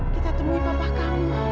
kita temui papah kamu